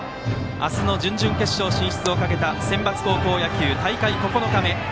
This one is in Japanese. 明日の準々決勝進出をかけたセンバツ高校野球、大会９日目。